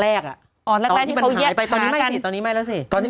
อ๋อแรกที่มันหายไปตอนนี้ไม่ติดตอนนี้ไม่แล้วสิ